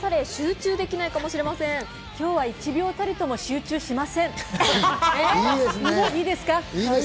今日は１秒たりとも集中しません！